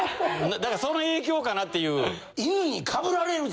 その影響かなっていう。